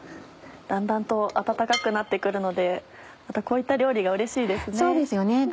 だんだんと暖かくなって来るのでこういった料理がうれしいですね。